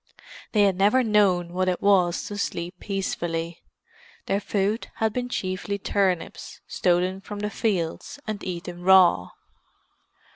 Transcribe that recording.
They had never known what it was to sleep peacefully; their food had been chiefly turnips, stolen from the fields, and eaten raw.